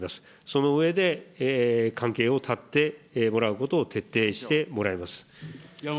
その上で、関係を断ってもらうことを徹底してもらいます。